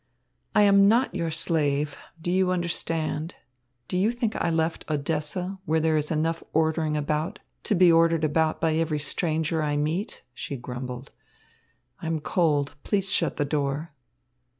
"I am not your slave, do you understand? Do you think I left Odessa, where there is enough ordering about, to be ordered about by every stranger I meet?" she grumbled. "I am cold. Please shut the door."